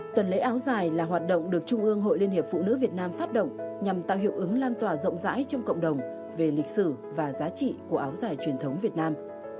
tuần lễ áo dài là hoạt động được trung ương hội liên hiệp phụ nữ việt nam phát động nhằm tạo hiệu ứng lan tỏa rộng rãi trong cộng đồng về lịch sử và giá trị của áo dài truyền thống việt nam